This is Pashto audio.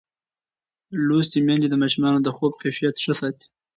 لوستې میندې د ماشومانو د خوب کیفیت ښه ساتي.